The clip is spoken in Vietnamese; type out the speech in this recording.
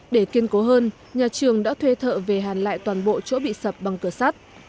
để kiên cố hơn nhà trường đã thuê thợ về hàn lại toàn bộ chỗ bị sập bằng cửa sắt